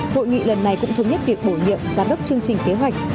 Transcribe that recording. hội nghị lần này cũng thống nhất việc bổ nhiệm giám đốc chương trình kế hoạch